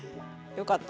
よかった。